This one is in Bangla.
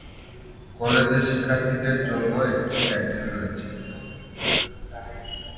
কলেজে শিক্ষার্থীদের জন্য একটি ক্যান্টিন রয়েছে।